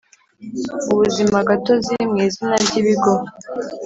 ubuzimagatozi mu izina ry Ibigo